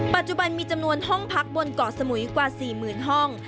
ปัจจุบันมีจำนวนห้องพักบนเกาะสมุยกว่า๔๐๐๐ห้อง